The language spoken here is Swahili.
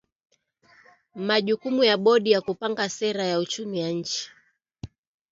majukumu ya bodi ni kupanga sera ya uchumi wa nchi